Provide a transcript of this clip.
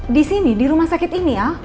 di sini di rumah sakit ini ya